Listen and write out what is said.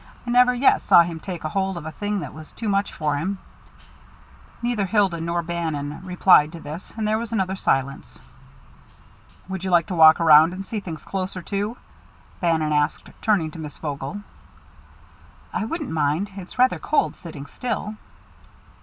"I never yet saw him take hold of a thing that was too much for him." Neither Hilda nor Bannon replied to this, and there was another silence. "Would you like to walk around and see things closer to?" Bannon asked, turning to Miss Vogel. "I wouldn't mind. It's rather cold, sitting still."